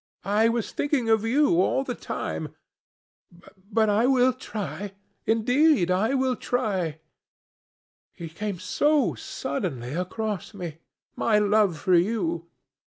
I was thinking of you all the time. But I will try—indeed, I will try. It came so suddenly across me, my love for you.